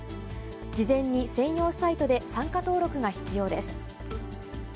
事前に専用サイトで参加登録が必要です。